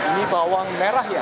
ini bawang merah ya